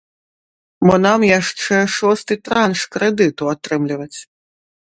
Бо нам яшчэ шосты транш крэдыту атрымліваць.